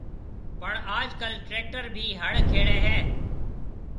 پڻ آج ڪل ٽيڪٽر ڀِي هڙ کيڙيَ هيَ۔